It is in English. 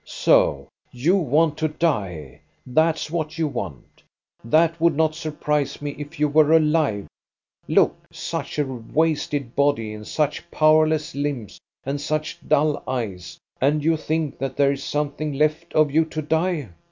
" So you want to die, that 's what you want. That would not surprise me, if you were alive. Look, such a wasted body and such' powerless limbs and such dull eyes, and you think that there is something left of you to die.